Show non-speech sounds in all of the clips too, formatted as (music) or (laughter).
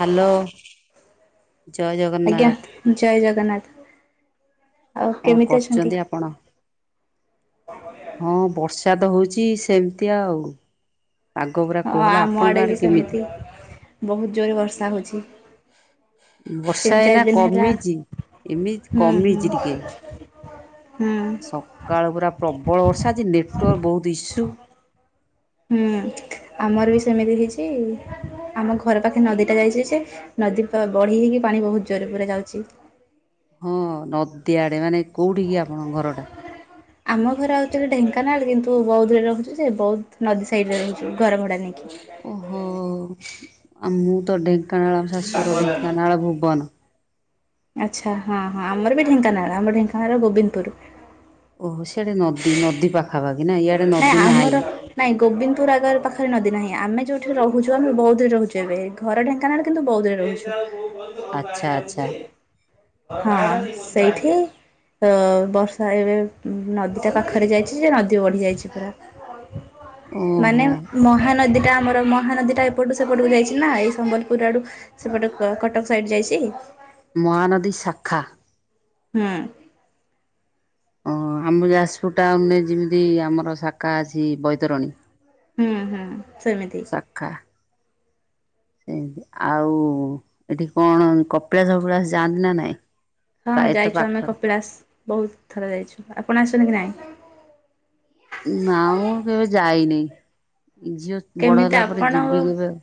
Hello ଜୟ ଆଜ୍ଞା ଜଗନ୍ନାଥ। ଜୟ ଜଗନ୍ନାଥ ଆଉ କଣ କେମିତି ଅଛନ୍ତି? କରୁଛନ୍ତି ଆପଣ? ହଁ ବର୍ଷା ତ ହଉଚି ସେମିତି ଆଉ। ପାଗ ପୁରା ହଁ କୋହଲା ଆମ ଆପଣଙ୍କ ଆଡ଼େ ଆଡେ ବି କେମିତି? ସେମିତି ବହୁତ୍ ଜୋରେ ବର୍ଷା ହେଉଛି। ବର୍ଷା ତିନି ଏଇନା ଚାରି ଦିନି ହେଲା କମିଛି ଏମିତି ହୁଁ କମିଛି ହୁଁ। ଟିକେ। ହୁଁ। ସକାଳୁ ପୁରା ପ୍ରବଳ ବର୍ଷା ଆଜି ନେଟୱାର୍କ ବହୁତ୍ ଇସୁ। ହୁଁ ଆମର ବି ସେମିତି ହେଇଛି ଆମ ଘର ପାଖେ ନଦୀ ଟା ଯାଇଛି ଯେ ନଦୀ ବ ବଢି ହେଇକି ପାଣି ବହୁତ୍ ଜୋରେ ପୁରା ଯାଉଛି। ହଁ ନଦୀ ଆଡେ ମାନେ କୋଉଠି କି ଆପଣଙ୍କ ଘର ଟା? ଆମ ଘର ଏକ୍ଟୁଆଲୀ ଢେଙ୍କାନାଳ କିନ୍ତୁ ବୌଦ୍ଧରେ ରହୁଛୁ ଯେ ବୌଦ୍ଧ ନଦୀ ସାଇଡ଼ରେ ରହୁଛୁ ଘର ଭଡ଼ା ନେଇକି। ଓହୋ ଆ ମୁଁ ତ ଢେଙ୍କାନାଳ ମ ଶାଶୁଘର ଢେଙ୍କାନାଳ ଭୁବନ। ଆଚ୍ଛା ହଁ ହଁ ଆମର ବି ଢେଙ୍କାନାଳ ଆମର ଢେଙ୍କାନାଳ ଗୋବିନ୍ଦପୁର। ଓହୋ ସିଆଡେ ନଦୀ ନଦୀ ପାଖାପାଖି ନା ଇଆଡେ ନଦୀ ନାହିଁ। ନାହିଁ ଗୋବିନ୍ଦପୁର ଆଗେରେ ପାଖରେ ନଦୀ ନାହିଁ ଆମେ ଯେଉଁଠି ରହୁଛୁ ଆମେ ବୌଦ୍ଧ ରେ ରହୁଛୁ ଏବେ। ଘର ଢେଙ୍କାନାଳ କିନ୍ତୁ ବୌଦ୍ଧରେ ରହୁଛୁ। ଆଚ୍ଛା ଆଚ୍ଛା ହଁ ସେଇଠି ହଁ ବର୍ଷା ଏବେ ନଦୀଟା ପାଖରେ ଯାଇଛି ଯେ ନଦୀ ନଦୀ ବଢ଼ି ଯାଇଛି ପୁରା। ଉଁ। ମାନେ ମହାନଦୀଟା ଆମର ମହାନଦୀଟା ଏପଟୁ ସେପଟକୁ ଯାଇଛି ନା ଏଇ ସମ୍ବଲପୁର ଆଡୁ ସେପଟେ କ କଟକ ସାଇଟ୍ ଯାଇଛି। ମହାନଦୀ ଶାଖା। ହୁଁ। ଓ ଆମ ଯାଜପୁର ଟାଉନରେ ଯେମିତି ଆମର ଶାଖା ଅଛି ବୈତରଣୀ। ହୁଁ ହୁଁ ସେମିତି। ଶାଖା। ସେମିତି ଆଉ ଏଠି କଣ କପିଳାସ ଫପିଳାସ ଯାଆନ୍ତି ନା ନାଇଁ? ହଁ ପ୍ରାୟ ତ ଯାଇଛୁ ଆମେ ପାଖରେ କପିଳାସ ବହୁତ୍ ଥର ଯାଇଛୁ ଆପଣ ଆସନ୍ତି କି ନାଇଁ? ନାଁ ମୁଁ କେବେ ଯାଇନି ଝିଅ ବଡ଼ କେମିତି ହେଲା ପରେ ଆପଣ ଯିବି କେବେ ଆଉ।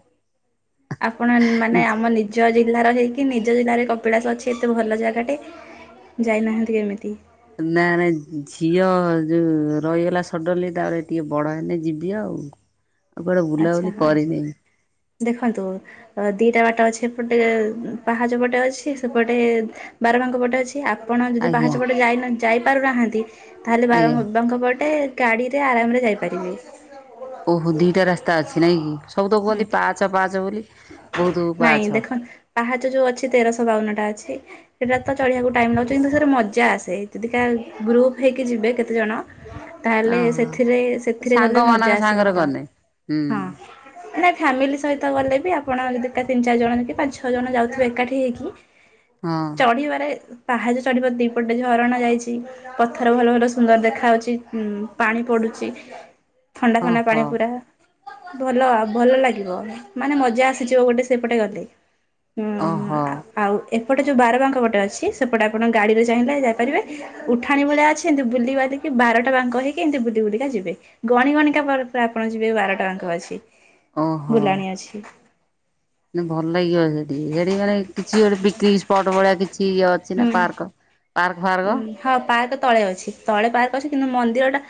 ଆପଣ ମାନେ ଆମ ନି ଜ ଜିଲ୍ଲାର ହେଇକି ନିଜ ଜିଲ୍ଲାରେ କପିଳାସ ଅଛି ଏତେ ଭଲ ଜାଗାଟେ ଯାଇ ନାହାନ୍ତି କେମିତି? ନାଁ ନାଁ ଝିଅ ଯୋଉ ରହିଗଲା ସଡଲି ତାପରେ ଟିକେ ବଡ ହେଲେ ଯିବି ଆଉ। (inaudible) ଆଚ୍ଛା ବୁଲାବୁଲି ହଁ କରିନି ଦେଖନ୍ତୁ ଅ ଦିଟା ବାଟ ଅଛି ଏପଟେ ପାହାଚ ପଟେ ଅଛି ସେପଟେ ବାର ବାଙ୍କ ପଟେ ଅଛି। ଆପଣ ଯଦି ଆଜ୍ଞା ପାହାଚପଟେ ଯାଇନା ଯାଇ ପାରୁ ନାହାଁନ୍ତି ତାହେଲେ ବାର ଆଜ୍ଞା। ବାଙ୍କ ପଟେ। ଗାଡ଼ିରେ ଆରାମ ରେ ଯାଇପାରିବେ। ଓହୋ ଦିଟା ରାସ୍ତା ଅଛି ନାଇଁ କି ସବୁ ତ କୁହନ୍ତି ହୁଁ ପାଆଛ ପାଆଛ ବୋଲି। ବହୁତ ପାହାଚ ନାଇଁ ଦେଖନ ପାହାଛ ଯୋଉ ଅଛି ତେରଶହ ବାଉନଟା ଅଛି। ସେଟା ତ ଚଢିବାକୁ ଟାଇମ୍ ଲାଗୁଛି କିନ୍ତୁ ସେଥିରେ ମଜା ଆସେ ଯଦିକା ଗୃପ ହେଇକି ଯିବେ କେତେଜଣ ହୁଁ (inaudible) ତାହେଲେ ସେଥିରେ ସେଥିରେ ଗଲେ ମଜା ଆସେ ସାଙ୍ଗରେ ଭଲ ଗଲେ ହୁଁ ହଁ। ନାଇଁ ଫ୍ୟାମିଲି ସହିତ ଗଲେ ବି ଆପଣ ଯଦି ତିନି ଚାରି ଜଣ କି ପାଞ୍ଚ ଛଅ ଜଣ ଯାଉଥିବେ ଏକାଠି ହେଇକି ହଁ। ଚଢିବାରେ ପାହାଚ ଚଢିବାରେ ଦିପଟେ ହରଣା ଯାଇଛି। ପଥର ଭଲ ଭଲ ସୁନ୍ଦର ଦେଖାଯାଉଛି ଉ ପାଣି ପଡୁଛି। ଥଣ୍ଡା ଥଣ୍ଡା ପାଣି ଓହୋ ପୁରା ଭଲ ଆଉ ଭଲ ଲାଗିବ ମାନେ ମ ଜା ଆସିଯିବ ଗୋଟେ ସେପଟେ ଗଲେ ହୁଁ ଓହୋ ଆ। ଆଉ ଏପଟେ ଯେଉଁ ବାରବାଙ୍କ ପଟେ ଅଛି ସେପଟେ ଆପଣ ଗାଡ଼ିରେ ଚାହିଁଲେ ଯାଇପାରିବେ। ଉଠାଣି ଭଳିଆ ଅଛି ଏମିତି ବୁଲି ବାଲିକି ବାରଟା ବାଙ୍କ ହେଇକି ଏମିତି ବୁଲି ବୁଲିକା ଯିବେ। ଗଣି ଗଣିକା ଆପଣ ଯିବେ ବାର ବାଙ୍କ ଅଛି ଓହୋ ବୁଲାଣି ଅଛି। ଭଲ ଲାଗିବ ସେଠି ସେଠି ମାନେ କିଛି ଗୋଟେ ପିକନିକ ସ୍ପଟ୍ ଭଳିଆ କିଛି ଅ ଅଛି ହୁଁ ନା ପାର୍କ ପାର୍କ ଉଁ ଫାର୍କ। ହଁ ପାର୍କ ତଳେ ଅଛି ତଳେ ପାର୍କ ଅଛି କିନ୍ତୁ ମନ୍ଦିର ଟା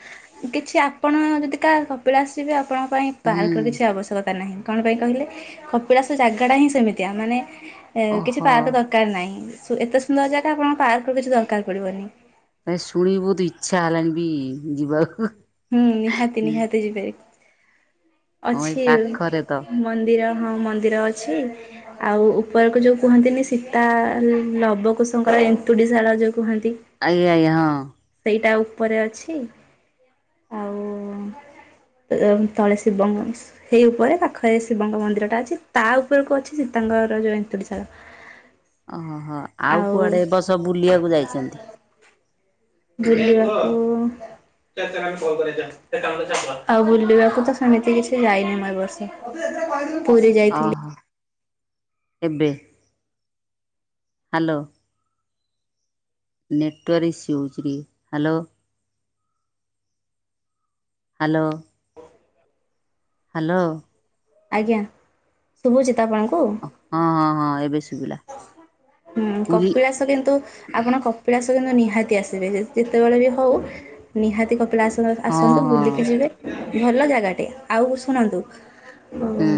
କିଛି ଆପଣ ଯଦି କାହା କପିଳାସ ଆସିବେ ଆପଣଙ୍କ ପାଇଁ ହୁଁ ପାର୍କର କିଛି ଆବଶ୍ୟକତା ନାହିଁ। କଣ ପାଇଁ କହିଲେ କପିଳାସ ଜାଗାଟା ହିଁ ସେମିତିଆ ମାନେ ଏ କିଛି ଓହୋ ପାର୍କ ଦରକାର ନାହିଁ। ଏତେ ସୁନ୍ଦର ଯାଗା ଆପଣଙ୍କ ପାର୍କ ରୁ କିଛି ଦରକାର ପଡିବନି। ନାଇଁ ଶୁଣି ବହୁତ ଇଚ୍ଛା ହେଲାଣି ବି ଯିବାକୁ। ହୁଁ ନିହାତି ହଁ ନିହାତି ଯିବେ। ଏଇ ଅଛି ପାଖରେ ତ ମନ୍ଦିର ହଁ ମନ୍ଦିର ଅଛି। ଆଉ ଉପରକୁ ଯୋଉ କୁହନ୍ତିନି ସୀତା ଲବକୁଶଙ୍କର ଏନ୍ତୁଡ଼ି ଶାଳ ଯୋଉ କୁହନ୍ତି। ଆଇ ଆଇ ହଁ। ସେଇଟା ଉପରେ ଅଛି। ଆଉ ତଳେ ଶିବ ମ୍ ସେଇ ଉପରେ ପାଖରେ ଶିବଙ୍କ ମନ୍ଦିର ଟା ଅଛି ତା ଉପରକୁ ଅଛି ସୀତାଙ୍କର ଏନ୍ତୁରିଶାଳ। ଓହୋ ହୋ ଆଉ କୁଆଡେ ବସ ବୁଲିବାକୁ ଯାଇଛନ୍ତି? ବୁଲିବା କୁ ଆଉ ବୁଲିବାକୁ ତ ସେମିତି କିଛି ଯାଇନି ମୁଁ ଏ ବର୍ଷ। ଅଛି ସେଥିରେ କହିଦେବିନୀ। ଓହୋ ଏବେ। ହ୍ୟାଲୋ। ନେଟୱାର୍ ଇସୁ ହୋଉଚି ହ୍ୟାଲୋ। ହ୍ୟାଲୋ। ହ୍ୟାଲୋ। ଆଜ୍ଞା ଶୁଭୁଚି ତ ଆପଣଙ୍କୁ। ହଁ ହଁ ହଁ ଏବେ ଶୁଭିଲା ହୁଁ ପୁରୀ କପିଳାସ କିନ୍ତୁ ଆପଣ କପିଳାସ କିନ୍ତୁ ନିହାତି ଆସିବେ ଯେତେବେଳେ ବି ହୋଉ ନିହାତି କପିଳାସ ହଁ ଆସନ୍ତୁ ହଁ ବୁଲିକି ଯିବେ ଭଲ ଜାଗାଟେ ଆଉ ଶୁଣନ୍ତୁ। ଓ ହୁଁ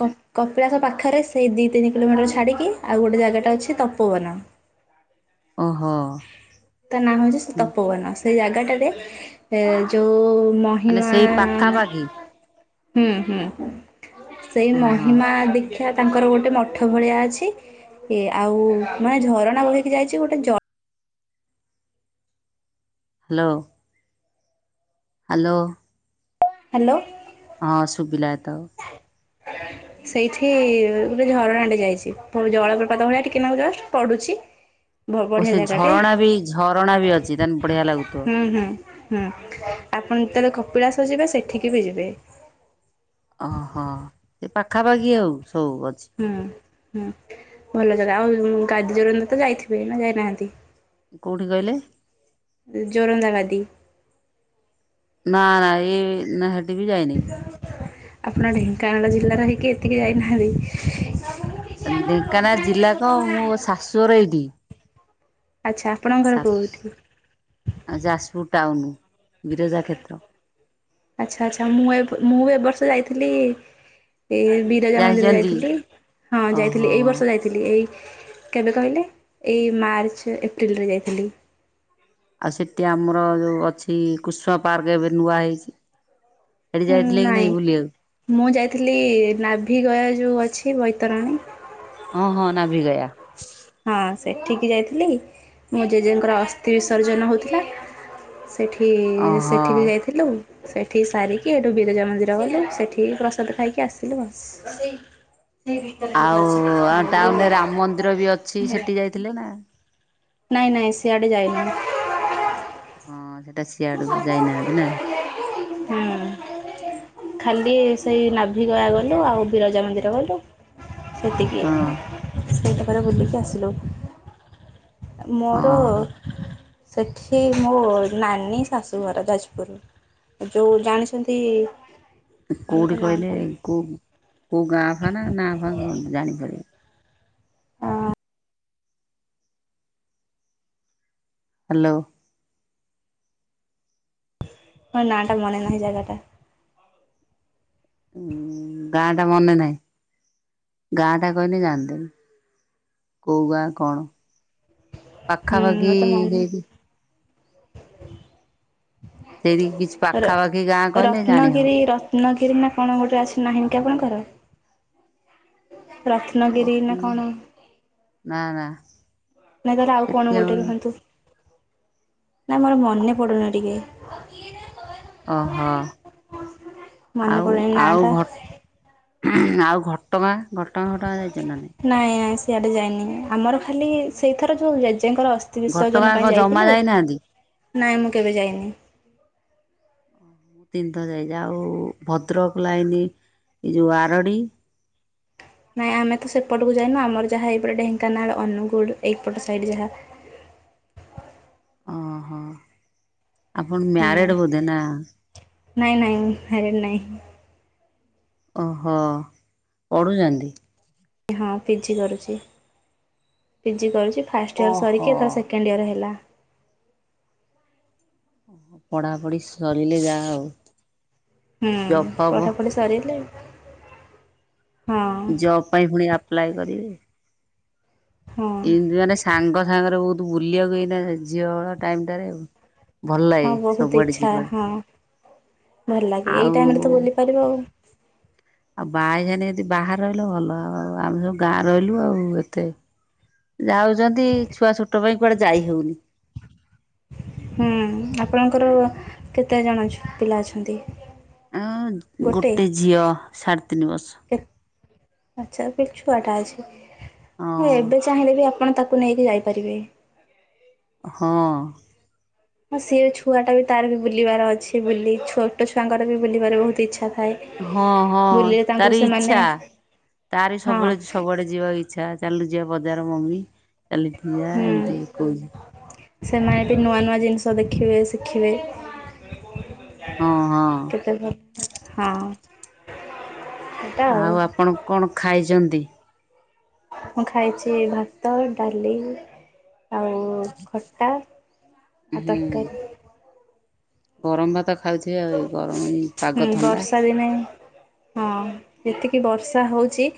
କ? କପିଳାସ ପାଖରେ ସେଇ ଦୁଇ ତିନି କିଲୋମିଟର ଛାଡ଼ିକି ଆଉ ଗୋଟେ ଜାଗାଟା ଅଛି ତପୋବନ। ଓହୋ। ତା ନାଁ ହୋଉଛି ସେ ତପୋବନ ସେଇ ଜାଗାଟାରେ ଯୋଉ ନୂଆ ମାନେ ମହିମା ସେଇ ପାଖାପାଖି ହୁଁ ହୁଁ ସେଇ ଓହୋ ମହିମା ଦି ଆଖ୍ୟା ତାଙ୍କର ଗୋଟେ ମଠ ଭଳିଆ ଅଛି। ଆଉ ମାନେ ଝରଣା ବହିକି ଯାଇଛି ଗୋଟେ ଝ ହ୍ୟାଲୋ। ହ୍ୟାଲୋ। ହ୍ୟାଲୋ। ହଁସୁବିଲା ତ। ସେଇଠି ଗୋଟେ ଝରଣା ଟେ ଯାଇଛି ଜଳପପାତ ଭଳିଆ ଟିକେ ନା ଜଷ୍ଟ ପଡୁଛି। ଓ ବଢ଼ିଆ ସେ ଜାଗାଟେ ଝରଣା ବି ଝରଣା ବି ଅଛି ତା ବଢିଆ ଲାଗୁଥିବ। ହୁଁ ହୁଁ ହୁଁ ଆପଣ ଯେତେବେଳେ କପିଳାସଜିବେ ସେଠିକି ବି ଯିବେ। ଓହୋ ସେ ପାଖାପାଖି ଆଉ ସବୁ ଅଛି। ହୁଁ ହୁଁ ଭଲ ଜାଗା ଆଉ ଗାଦି ଜୋରନ୍ଦ ତ ଯାଇଥିବେ ନା ଯାଇନାହାନ୍ତି। କୋଉଠି କହିଲେ? ଜୋରନ୍ଦାବାଦୀ। ନା ନା ଏଇ ନା ହେଟି ବି ଯାଇନି। ଆପଣ ଢେଙ୍କାନାଳ ଜିଲ୍ଲାରେ ହେଇକି ଏତିକି ଯାଇନାହାନ୍ତି। ଢେଙ୍କାନାଳ ଜିଲ୍ଲା କ ମୁଁ ଶାଶୁଘର ଏଇଠି। ଆଚ୍ଛା ଆପଣଙ୍କର ଘର କେଉଁଠି? ଆଉ ଯାଜପୁର ଟାଉନ ବିରଜା କ୍ଷେତ୍ର। ଆଚ୍ଛା ଆଚ୍ଛା ମୁଁ ଏ ମୁଁ ଏ ବର୍ଷ ଯାଇଥିଲି ଏ ବି ରଜା ମନ୍ଦିର ଯାଇଛନ୍ତି ଯାଇଥିଲି ହଁ ଯାଇଥିଲି ଏଇ ଓହୋ ବର୍ଷ ଯାଇଥିଲି। ଏଇ କେବେ କହିଲେ ଏଇ ମାର୍ଚ୍ଚ ଏପ୍ରିଲରେ ଯାଇଥିଲି। ଆଉ ସେଠି ଆମର ଯୋଉ ଅଛି କୁଷ୍ମା ପାର୍କ ଏବେ ନୂଆ ହେଇଛି। ସେଠି ହଁ ଯାଇଥିଲେ କି ନାଇଁ ବୁଲିବାକୁ? ମୁଁ ଯାଇଥିଲି ନାଭି ଗୟା ଯୋଉ ଅଛି ବୈତରଣୀ। ହଁ ହଁ ନାଭିଗୟା। ହଁ ସେଠିକି ଯାଇଥିଲି ମୋ ଜେଜେଙ୍କର ଅସ୍ଥି ବିସର୍ଜନ ହଉଥିଲା। ସେଠି ଓହୋ। ସେଠିକି ଯାଇଥିଲୁ। ସେଠି ସାରିକି ଏଠୁ ବିରଜା ମନ୍ଦିର ଗଲୁ ସେଠିକି ପ୍ରସାଦ ଖାଇକି ଆସିଲୁ ଆଉ। ଅ। ଆଉ ଆ ଟାଉନରେ ରାମ ମନ୍ଦିର ବି ଅଛି ସେଠି ଯାଇଥିଲେ ନା। ନାଇଁ ନାଇଁ ସିଆଡେ ଯାଇନି। ହଁ ସେଟା ସିଆଡକୁ ଯାଇନାହାନ୍ତି ନା? ହୁଁ ଖାଲି ସେଇ ନାଭିଗୟା ଗଲୁ ଆଉ ବିରଜା ମନ୍ଦିର ଗଲୁ। ସେତିକି ହଁ ସେଇତିକରେ ବୁଲିକି ଆସିଲୁ। ମୋର ଓହୋ। ସେଠି ମୋ ନାନୀ ଶାଶୁଘର ଯାଜପୁର। ଯୋଉ ଜାଣିଛନ୍ତି କଣ ତ କୋଉଠି ନାଁ କହିଲେ ଟା କୋଉ କୋଉ ଗାଁ ଫା ନା ନାଁ ଫା କଣ ଜାଣିପାରିବି। ହ୍ୟାଲୋ। ହଁ ନା ଟା ମନେ ନାହିଁ ଜାଗାଟା। ଗାଁ ଟା ମନେ ନାହିଁ ଗାଁ ଟା କହିଲେ ଜାଣିଦେବି। କଉ ଗାଁ କଣ ହୁଁ ପାଖାପାଖି ମତେ ହେ ମନେ ସେଇଠି କିଛି ର ପାଖାପାଖି ଗାଁ କହିଲେ ଜାଣି ରତ୍ନଗିରି ହବ। ରତ୍ନଗିରି ନା କଣ ଗୋଟେ ଅଛିନାହିଁ କି ଆପଣଙ୍କର? ଅ ରତ୍ନଗିରି ନା କଣ ନା ନା। ନାଇଁ ତାହେଲେ ଆଉ କଣ ସେଠି ଆମ ଗୋଟେ ରୁହନ୍ତୁ। ନାଇଁ ମୋର ମନେ ପଡ଼ୁନି ଟିକେ। ଓହୋ ମନେ ଆଉ ପଡ଼ୁନି ନାଁ ଆଉ ଟା ଘ ଆଉ ଘଟଗାଁ ଘଟଗାଁ ଘଟା ଯାଇଛ ନା ନାଇଁ? ନାଇଁ ନାଇଁ ସିଆଡେ ଯାଇନି ଆମର ଖାଲି ସେଇଥର ଯୋଉ ଜେଜେଙ୍କର ଅସ୍ ତି ଘଟଗାଁ ବିିସର୍ଜନ କଣ ପାଇଁ ଜମା ଯାଇଥିଲୁ ଯାଇନାହାନ୍ତି? ନାଇଁ ମୁଁ କେବେ ଯାଇନି। ମୁଁ ତିନିଥର ଯାଇଛି ଆଉ ଭଦ୍ରକ ଲାଇନ ଏ ଯେଉଁ ଆରଡ଼ି ନାଇଁ ଆମେ ତ ସେପଟକୁ ଯାଇନୁ ଆମର ଯାହା ଏଇପଟେ ଢେଙ୍କାନାଳ ଅନୁଗୁଳ ଏଇପଟ ସାଇଡ ଯାହା। ଓହୋ ଆପଣ ହୁଁ ମ୍ୟାରେଡ ବୋଧେ ନା? ନାଇଁ ନାଇଁ ମ୍ୟାରେଡ଼୍ ନାଇଁ। ଓହୋ ପଢ଼ୁଛନ୍ତି? ହଁ ପିଜି କରୁଛି। ପିଜି କରୁଛି ଫାଷ୍ଟ ଇୟର ଓହୋ ସରିକି ଏଥର ସେକେଣ୍ଡ ଇୟର ହେଲା। ପଢାପଢି ସରିଲେ ଯାହାହଉ। ହୁଁ ପଢପଢି ସରିିଲେ ଜବ୍ ପାଇଁ ପୁଣି ଆପ୍ଲାଏ କରିବେ। ହଁ ଏମତି ମାନେ ସାଙ୍ଗ ସାଙ୍ଗରେ ବହୁତ ବୁଲିବାକୁ ଏଇନା ଝିଅ ଟାଇମ ଟାରେ ଭଲ ହଁ ଲାଗେ ବହୁତ ସବୁଆଡେ ଇଚ୍ଛା ଯିବାକୁ। ହଁ ଭଲ ଲାଗେ ଏଇ ଆଉ ଟାଇମ ରେ ତ ବୁଲି ପାରିବ ଆଉ। ଆଉ ବାହା ହେଇ ଯଦି ବାହାରେ ରହିଲ ଭଲ ଆଉ ଆଉ ଆମେ ସବୁ ଗାଁ ରହିଲୁ ଆଉ ଏତେ ଯାଉଛନ୍ତି ଛୁଆ ଛୋଟ ପାଇଁ କୁଆଡେ ଯାଇ ହଉନି। ହୁଁ ଆପଣଙ୍କର କେତେ ଜଣ ଛୁଆ ପିଲା ଅଛନ୍ତି? ଆ ଗୋଟେ ଝିଅ ସାଢ଼େ ତିନି ବର୍ଷ। କେତ୍ ଆଛା, ଏବେ ଛୁଆଟା ଅଛିଁ। ହଁ ମୁଁ ଏବେ ଚାହିଁଲେ ବି ଆପଣ ତାକୁ ନେଇକି ଯାଇପାରିବେ! ହଁ। ହଁ, ସିଏ ଛୁଆଟା ବି ତାର ବି ବୁଲିବାର ଅଛି ବୁଲି। ଛୋଟ ଛୁଆଙ୍କର ବି ବୁଲିବାର ବହୁତ ଇଚ୍ଛା ଥାଏ। ହଁ, ହଁ, ବୁଲିଲେ ତାଙ୍କୁ ତାରି ସେମାନେ ଇଛା, ତାରି ହଁ ସବୁବେଳେ ଝୋ ସବୁଆଡ଼େ ଯିବାକୁ ଇଚ୍ଛା, ଚାଲୁନୁ ଯିବା ବଜାର ମମି। ଚାଲିକି ଯିବା ହୁଁ। ଏମିତି କହୁଛି ସେମାଏ ବି, ନୂଆ ନୂଆ ଜିନିଷ ଦେଖିବେ, ଶିଖିବେ। ହଁ ହଁ କେତେ ଭଲ (inaudible) ହଁ। ଆଉ, ଆପଣ କଣ ଖାଇଛନ୍ତି? ମୁଁ ଖାଇଛି ଭାତ, ଡାଲି ଆଉ ଖଟା, ଆଉ ହୁଁ ତରକାରୀ। ଗରମ ଭାତ ଖାଉଛି ଥିଏ ଆଉ, ଗରମ ହୁଁ ପାଗ ଥଣ୍ଡା। (unintelligible) ହଁ, ଏତିକି ବର୍ଷା ହଉଛି,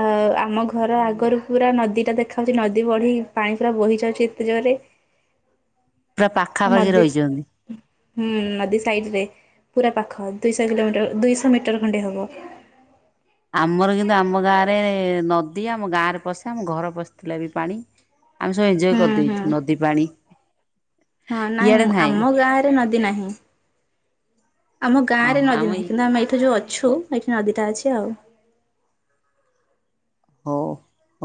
ଆ-ଆମ ଘର ହଁ ଆଗରୁ ପୁରା ନଦୀଟା ଦେଖାଆଉଛି। ନଦୀ ବଢି, ପାଣି ପୁରା ବହି ଯାଉଛି, ଏତେ ଜୋରେ। ପୁରା ପାଖାପାଖି ରହିଛନ୍ତି। ହୁଁ, ନଦୀ ସାଇଡରେ। ପୁରା ପାଖ ଦୁଇଶହ କିଲୋମିଟର, ଦୁଇଶହ ମିଟର ଖଣ୍ଡେ ହବ। ଆମର, କିନ୍ତୁ, ଆମ ଗାଁରେ-ଏ ନଦୀ। ଆମ ଗାଁ ରେ ପଶେ। ଆମ ଘର ପଶିଥିଲା ବି, ପାଣି। ଆମେ ସବୁ ଏଞ୍ଜୟ ହୁଁ ହୁଁ କରିଦେଇଛୁ, ନଦୀ ପାଣି। ହଁ, ନାଇଁ, ଇଆଡ଼େ ନାହିଁ ଆମ ଗାଁରେ ନଦୀ ନାହିଁ। ଆମ ଗାଁରେ ଓହୋ ଆମ ନଦୀ ନାହିଁ, କିନ୍ତୁ ଆମେ ଏଇଠି ଯୋଉ ଅଛୁ, ଏଇଠି ନଦୀଟା ଅଛି ଆଉ। ହଉ,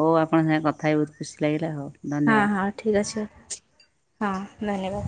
ହଉ ଆପଣଙ୍କ ସାଙ୍ଗେ କଥା ହେଇ, ବହୁତ ଖୁସି ଲାଗିଲା ହଉ। ହଁ, ଧନ୍ୟବାଦ। ହଁ ଠିକ୍ ଅଛି। ହଁ, ଧନ୍ୟବାଦ।